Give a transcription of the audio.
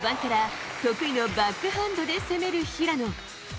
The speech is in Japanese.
序盤から得意のバックハンドで攻める平野。